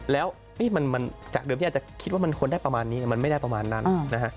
แล้วมันจากเดิมที่อาจจะคิดว่ามันควรได้ประมาณนี้มันไม่ได้ประมาณนั้นนะฮะ